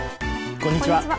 こんにちは。